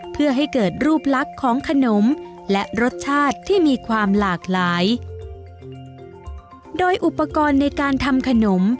เพื่อให้เกิดรูปลักษณ์ของขนมและรสชาติที่มีความหลากหลายโดยอุปกรณ์ในการทำขนม